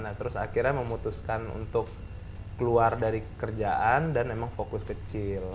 nah terus akhirnya memutuskan untuk keluar dari kerjaan dan memang fokus kecil